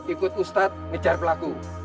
ikut ustadz menjaga pelaku